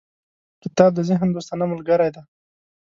• کتاب د ذهن دوستانه ملګری دی.